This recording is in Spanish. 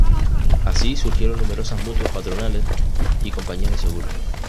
Así surgieron numerosas mutuas patronales y compañías de seguros.